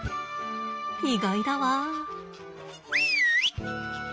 意外だわ。